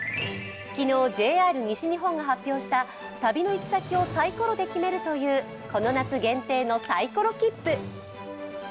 昨日、ＪＲ西日本が発表した旅の行き先をサイコロで決めるというこの夏限定のサイコロきっぷ。